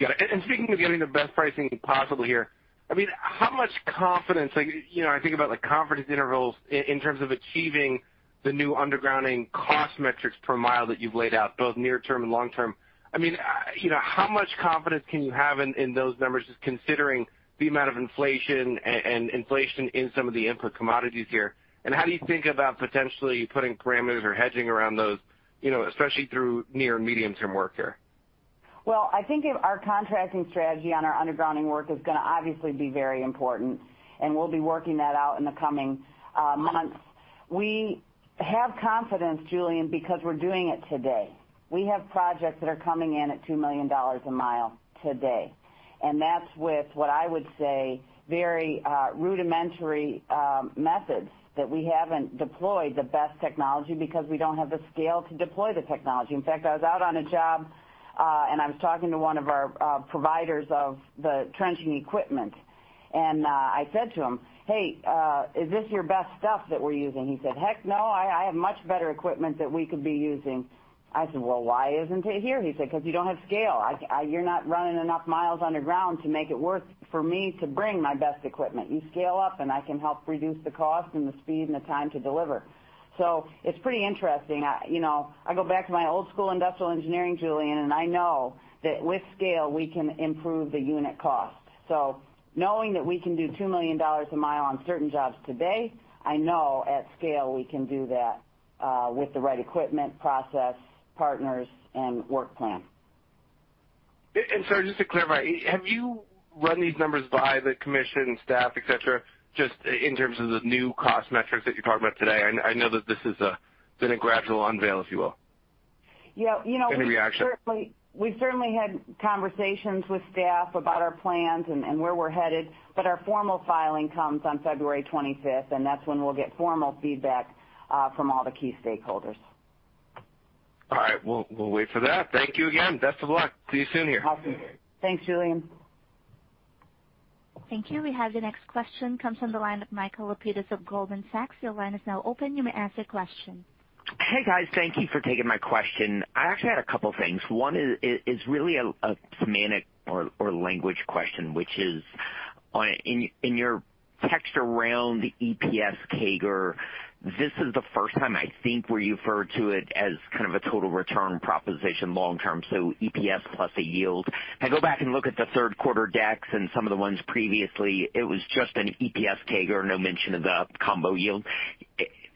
Got it. Speaking of getting the best pricing possible here, I mean, how much confidence, like, you know, I think about like confidence intervals in terms of achieving the new undergrounding cost metrics per mile that you've laid out, both near term and long term. I mean, you know, how much confidence can you have in those numbers, just considering the amount of inflation and inflation in some of the input commodities here? How do you think about potentially putting parameters or hedging around those, you know, especially through near and medium-term work here? Well, I think if our contracting strategy on our undergrounding work is gonna obviously be very important, and we'll be working that out in the coming months. We have confidence, Julien, because we're doing it today. We have projects that are coming in at $2 million a mile today, and that's with what I would say very rudimentary methods that we haven't deployed the best technology because we don't have the scale to deploy the technology. In fact, I was out on a job, and I was talking to one of our providers of the trenching equipment, and I said to him, "Hey, is this your best stuff that we're using?" He said, "Heck, no. I have much better equipment that we could be using." I said, "Well, why isn't it here?" He said, "Because you don't have scale. You're not running enough miles underground to make it worth for me to bring my best equipment. You scale up, and I can help reduce the cost and the speed and the time to deliver." It's pretty interesting. I, you know, I go back to my old school industrial engineering, Julien, and I know that with scale, we can improve the unit cost. Knowing that we can do $2 million a mile on certain jobs today, I know at scale, we can do that, with the right equipment, process, partners, and work plan. Sorry, just to clarify, have you run these numbers by the commission staff, et cetera, just in terms of the new cost metrics that you're talking about today? I know that this has been a gradual unveil, if you will. Yeah, you know. Any reaction? We certainly had conversations with staff about our plans and where we're headed, but our formal filing comes on February 25th, and that's when we'll get formal feedback from all the key stakeholders. All right. We'll wait for that. Thank you again. Best of luck. See you soon here. Awesome. Thanks, Julien. Thank you. We have the next question comes from the line of Michael Lapides of Goldman Sachs. Your line is now open. You may ask your question. Hey, guys. Thank you for taking my question. I actually had a couple things. One is really a semantic or language question, which is in your text around EPS CAGR. This is the first time I think where you referred to it as kind of a total return proposition long term, so EPS plus a yield. If I go back and look at the third quarter decks and some of the ones previously, it was just an EPS CAGR, no mention of the combo yield.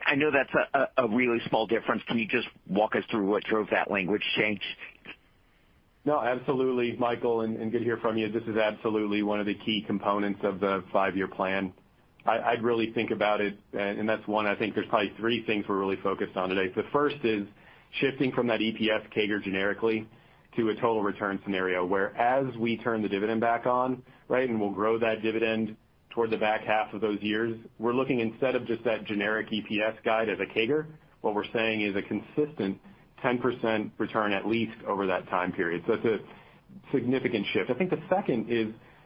I know that's a really small difference. Can you just walk us through what drove that language change? No, absolutely, Michael, and good to hear from you. This is absolutely one of the key components of the five-year plan. I'd really think about it, and that's one I think there's probably three things we're really focused on today. First is shifting from that EPS CAGR generically to a total return scenario, where, as we turn the dividend back on, right, and we'll grow that dividend towards the back half of those years, we're looking instead of just that generic EPS guide as a CAGR, what we're saying is a consistent 10% return at least over that time period. It's a significant shift. I think the second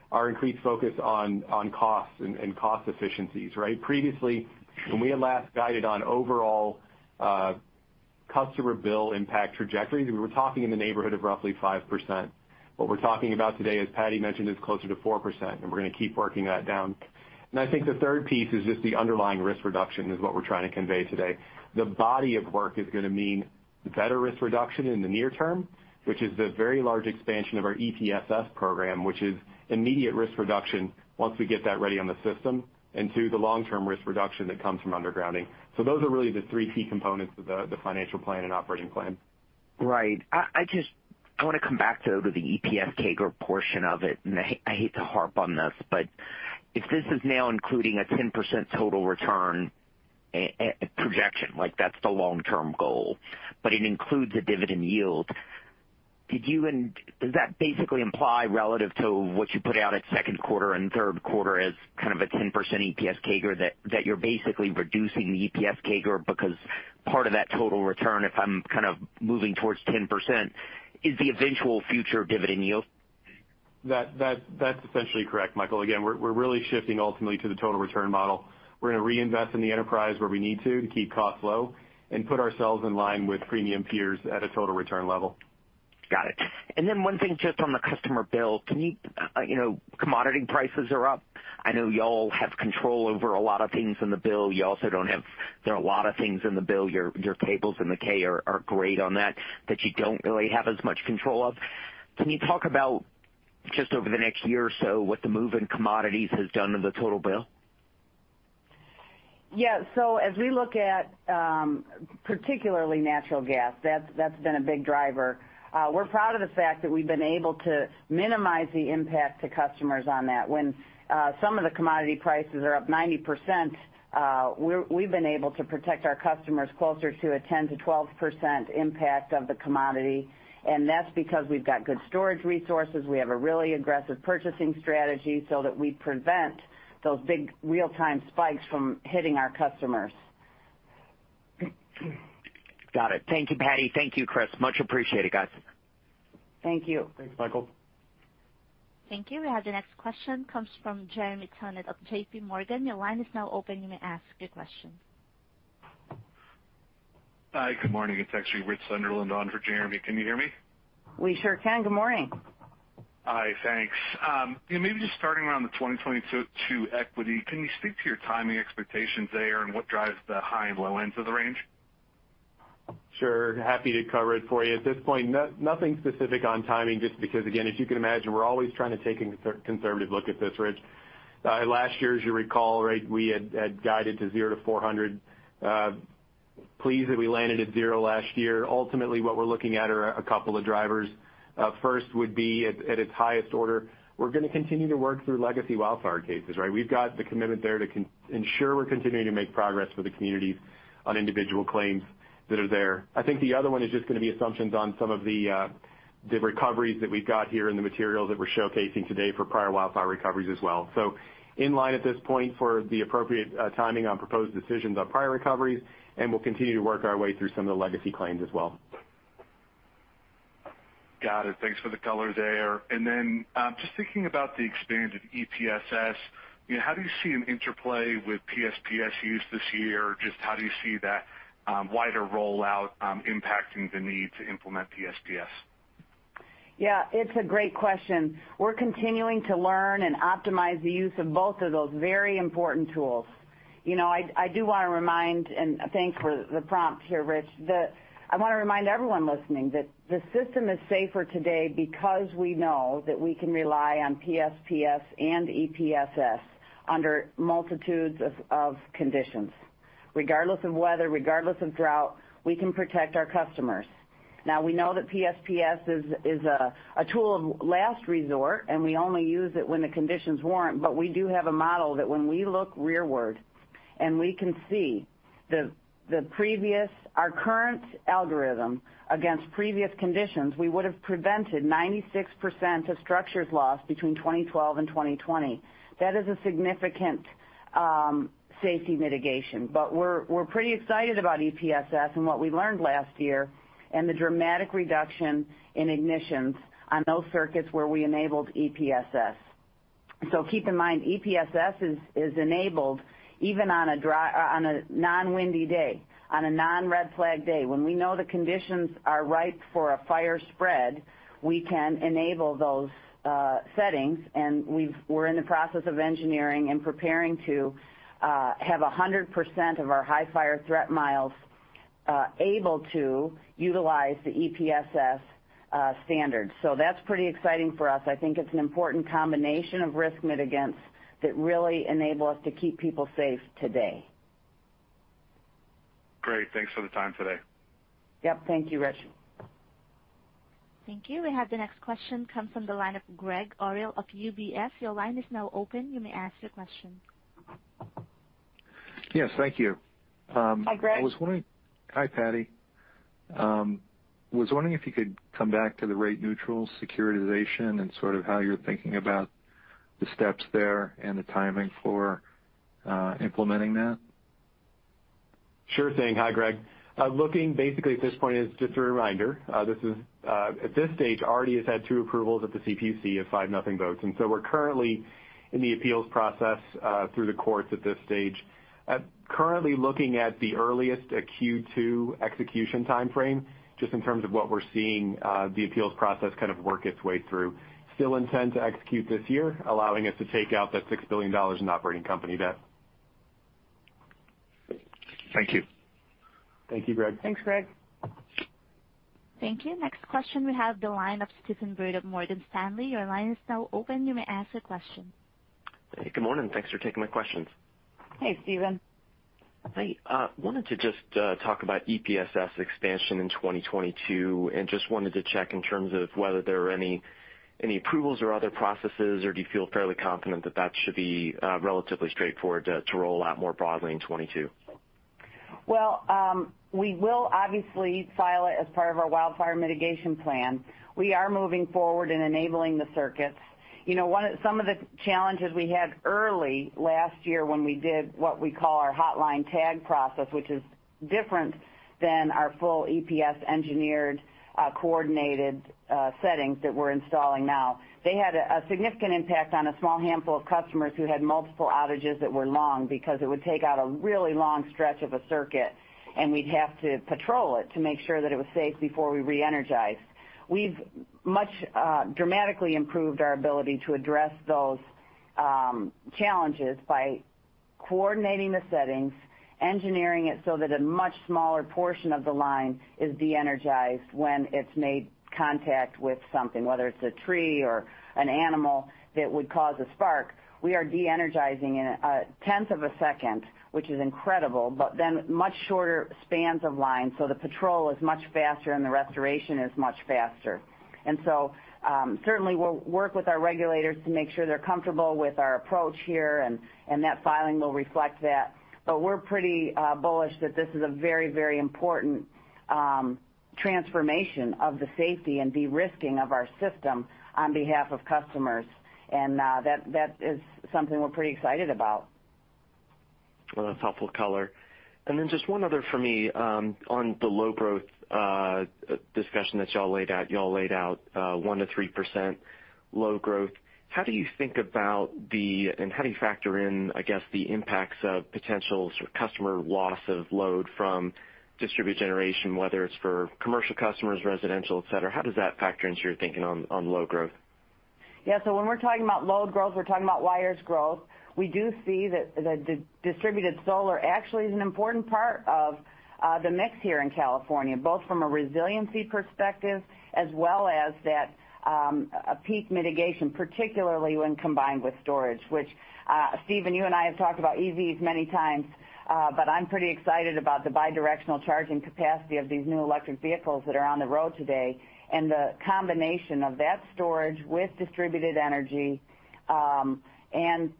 is our increased focus on costs and cost efficiencies, right? Previously, when we had last guided on overall customer bill impact trajectory, we were talking in the neighborhood of roughly 5%. What we're talking about today, as Patti mentioned, is closer to 4%, and we're gonna keep working that down. I think the third piece is just the underlying risk reduction is what we're trying to convey today. The body of work is gonna mean better risk reduction in the near term, which is the very large expansion of our EPSS program, which is immediate risk reduction once we get that ready on the system, and two, the long-term risk reduction that comes from undergrounding. Those are really the three key components of the financial plan and operating plan. Right. I just wanna come back to the EPS CAGR portion of it, and I hate to harp on this, but if this is now including a 10% total return projection, like that's the long-term goal, but it includes a dividend yield, does that basically imply relative to what you put out at second quarter and third quarter as kind of a 10% EPS CAGR that you're basically reducing the EPS CAGR because part of that total return, if I'm kind of moving towards 10%, is the eventual future dividend yield? That's essentially correct, Michael. Again, we're really shifting ultimately to the total return model. We're gonna reinvest in the enterprise where we need to keep costs low and put ourselves in line with premium peers at a total return level. Got it. One thing just on the customer bill. Can you know, commodity prices are up. I know y'all have control over a lot of things in the bill. There are a lot of things in the bill, your tables in the 10-K are great on that you don't really have as much control of. Can you talk about just over the next year or so what the move in commodities has done to the total bill? Yeah. As we look at particularly natural gas, that's been a big driver. We're proud of the fact that we've been able to minimize the impact to customers on that. When some of the commodity prices are up 90%, we've been able to protect our customers closer to a 10%-12% impact of the commodity. That's because we've got good storage resources. We have a really aggressive purchasing strategy so that we prevent those big real-time spikes from hitting our customers. Got it. Thank you, Patti. Thank you, Chris. Much appreciated, guys. Thank you. Thanks, Michael. Thank you. We have the next question comes from Jeremy Tonet of JPMorgan. Your line is now open. You may ask your question. Hi. Good morning. It's actually Richard Sunderland on for Jeremy. Can you hear me? We sure can. Good morning. Hi. Thanks. Yeah, maybe just starting around the 2022 equity, can you speak to your timing expectations there and what drives the high and low ends of the range? Sure. Happy to cover it for you. At this point, nothing specific on timing just because again, as you can imagine, we're always trying to take a conservative look at this, Rich. Last year, as you recall, right, we had guided to $0-$400. Pleased that we landed at $0 last year. Ultimately, what we're looking at are a couple of drivers. First would be at its highest order, we're gonna continue to work through legacy wildfire cases, right? We've got the commitment there to ensure we're continuing to make progress with the communities on individual claims that are there. I think the other one is just gonna be assumptions on some of the recoveries that we've got here and the materials that we're showcasing today for prior wildfire recoveries as well. In line at this point for the appropriate timing on proposed decisions on prior recoveries, and we'll continue to work our way through some of the legacy claims as well. Got it. Thanks for the color there. Just thinking about the experience with EPSS, you know, how do you see an interplay with PSPS use this year? Just how do you see that, wider rollout, impacting the need to implement PSPS? Yeah, it's a great question. We're continuing to learn and optimize the use of both of those very important tools. You know, I do wanna remind and thank for the prompt here, Rich. I wanna remind everyone listening that the system is safer today because we know that we can rely on PSPS and EPSS under multitudes of conditions. Regardless of weather, regardless of drought, we can protect our customers. Now we know that PSPS is a tool of last resort, and we only use it when the conditions warrant, but we do have a model that when we look rearward and we can see our current algorithm against previous conditions, we would have prevented 96% of structures lost between 2012 and 2020. That is a significant safety mitigation. We're pretty excited about EPSS and what we learned last year and the dramatic reduction in ignitions on those circuits where we enabled EPSS. Keep in mind, EPSS is enabled even on a non-windy day, on a non-red flag day. When we know the conditions are ripe for a fire spread, we can enable those settings, and we're in the process of engineering and preparing to have 100% of our high fire threat miles able to utilize the EPSS standard. That's pretty exciting for us. I think it's an important combination of risk mitigants that really enable us to keep people safe today. Great. Thanks for the time today. Yep. Thank you, Rich. Thank you. We have the next question come from the line of Gregg Orrill of UBS. Your line is now open. You may ask your question. Yes. Thank you. Hi, Gregg. Hi Patti. I was wondering if you could come back to the rate neutral securitization and sort of how you're thinking about the steps there and the timing for implementing that. Sure thing. Hi, Gregg. Looking basically at this point is just a reminder, this is at this stage already has had two approvals at the CPUC of 5-0 votes, and so we're currently in the appeals process through the courts at this stage. Currently looking at the earliest Q2 execution timeframe, just in terms of what we're seeing, the appeals process kind of work its way through. Still intend to execute this year, allowing us to take out the $6 billion in operating company debt. Thank you. Thank you, Gregg. Thanks, Gregg. Thank you. Next question, we have the line of Stephen Byrd of Morgan Stanley. Your line is now open. You may ask a question. Hey, good morning. Thanks for taking my questions. Hey, Stephen. Hey. Wanted to just talk about EPSS expansion in 2022, and just wanted to check in terms of whether there are any approvals or other processes, or do you feel fairly confident that that should be relatively straightforward to roll out more broadly in 2022? Well, we will obviously file it as part of our Wildfire Mitigation Plan. We are moving forward in enabling the circuits. You know, some of the challenges we had early last year when we did what we call our hotline tag process, which is different than our full EPSS engineered coordinated settings that we're installing now. They had a significant impact on a small handful of customers who had multiple outages that were long because it would take out a really long stretch of a circuit, and we'd have to patrol it to make sure that it was safe before we re-energized. We've much dramatically improved our ability to address those challenges by coordinating the settings, engineering it so that a much smaller portion of the line is de-energized when it's made contact with something, whether it's a tree or an animal that would cause a spark. We are de-energizing in a tenth of a second, which is incredible, but then much shorter spans of line, so the patrol is much faster and the restoration is much faster. Certainly we'll work with our regulators to make sure they're comfortable with our approach here, and that filing will reflect that. We're pretty bullish that this is a very important transformation of the safety and de-risking of our system on behalf of customers. That is something we're pretty excited about. Well, that's helpful color. Just one other for me, on the low growth discussion that y'all laid out. Y'all laid out 1%-3% low growth. How do you think about and how do you factor in, I guess, the impacts of potential customer loss of load from distributed generation, whether it's for commercial customers, residential, et cetera, how does that factor into your thinking on low growth? Yeah. When we're talking about load growth, we're talking about wires growth. We do see that the distributed solar actually is an important part of the mix here in California, both from a resiliency perspective as well as that a peak mitigation, particularly when combined with storage, which Stephen, you and I have talked about EVs many times, but I'm pretty excited about the bi-directional charging capacity of these new electric vehicles that are on the road today. The combination of that storage with distributed energy, and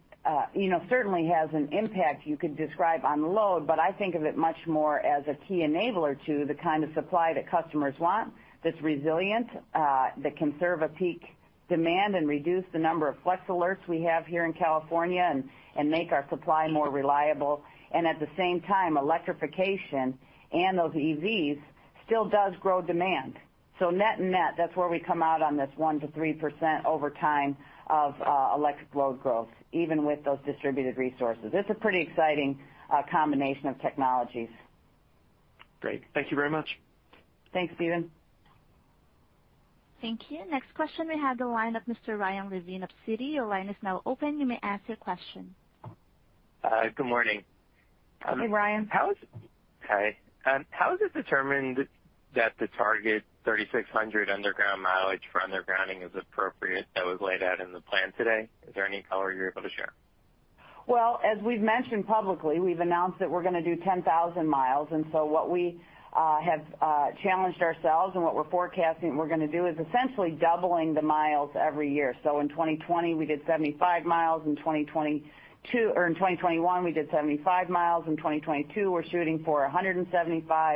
you know, certainly has an impact you could describe on load, but I think of it much more as a key enabler to the kind of supply that customers want that's resilient, that can serve a peak demand and reduce the number of flex alerts we have here in California and make our supply more reliable. At the same time, electrification and those EVs still does grow demand. Net net, that's where we come out on this 1%-3% over time of electric load growth, even with those distributed resources. It's a pretty exciting combination of technologies. Great. Thank you very much. Thanks, Steven. Thank you. Next question, we have the line of Mr. Ryan Levine of Citi. Your line is now open. You may ask your question. Hi. Good morning. Hey, Ryan. Hi. How is it determined that the target 3,600 underground mileage for undergrounding is appropriate that was laid out in the plan today? Is there any color you're able to share? Well, as we've mentioned publicly, we've announced that we're gonna do 10,000 mi, and so what we have challenged ourselves and what we're forecasting we're gonna do is essentially doubling the miles every year. In 2020, we did 75 mi. In 2021, we did 75 mi. In 2022, we're shooting for 175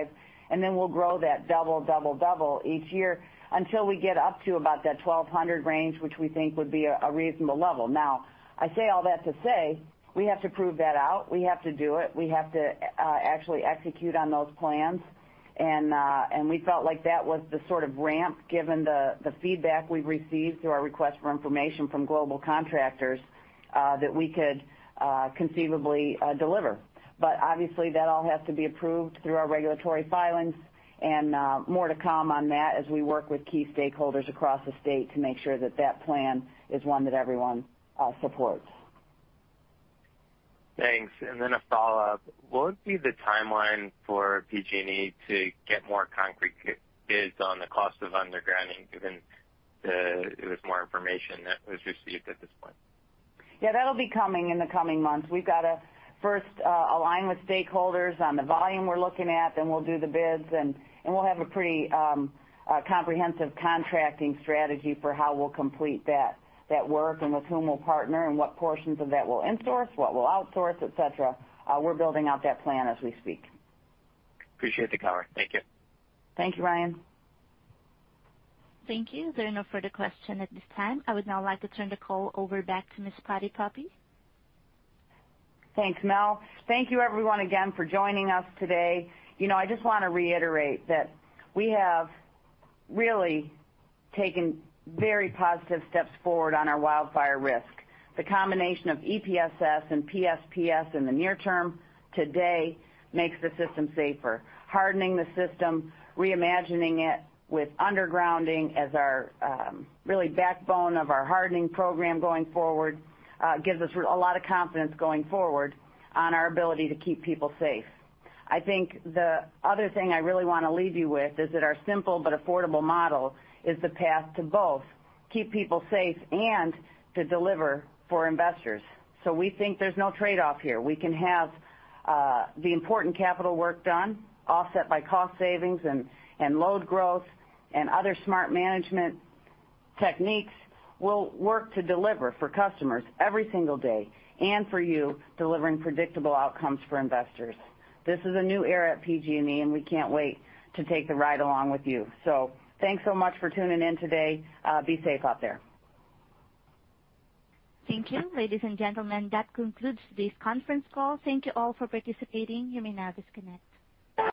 mi, and then we'll grow that double, double each year until we get up to about that 1,200 range, which we think would be a reasonable level. Now, I say all that to say, we have to prove that out. We have to do it. We have to actually execute on those plans. We felt like that was the sort of ramp, given the feedback we've received through our request for information from global contractors, that we could conceivably deliver. Obviously that all has to be approved through our regulatory filings and more to come on that as we work with key stakeholders across the state to make sure that that plan is one that everyone supports. Thanks. A follow-up. What would be the timeline for PG&E to get more concrete bids on the cost of undergrounding, given the, with more information that was received at this point? Yeah, that'll be coming in the coming months. We've got to first align with stakeholders on the volume we're looking at, then we'll do the bids and we'll have a pretty comprehensive contracting strategy for how we'll complete that work and with whom we'll partner and what portions of that we'll in-source, what we'll outsource, et cetera. We're building out that plan as we speak. Appreciate the color. Thank you. Thank you, Ryan. Thank you. There are no further question at this time. I would now like to turn the call over back to Ms. Patti Poppe. Thanks, Mel. Thank you everyone again for joining us today. You know, I just wanna reiterate that we have really taken very positive steps forward on our wildfire risk. The combination of EPSS and PSPS in the near term today makes the system safer. Hardening the system, reimagining it with undergrounding as our really backbone of our hardening program going forward, gives us a lot of confidence going forward on our ability to keep people safe. I think the other thing I really wanna leave you with is that our simple but affordable model is the path to both keep people safe and to deliver for investors. We think there's no trade-off here. We can have the important capital work done offset by cost savings and load growth and other smart management techniques. We'll work to deliver for customers every single day and for you, delivering predictable outcomes for investors. This is a new era at PG&E, and we can't wait to take the ride along with you. Thanks so much for tuning in today. Be safe out there. Thank you. Ladies and gentlemen, that concludes this conference call. Thank you all for participating. You may now disconnect.